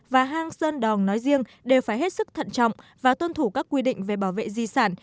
và hang sơn đòn nói riêng đều phải hết sức thận trọng và tuân thủ các quy định về bảo vệ di sản